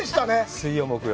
水曜、木曜。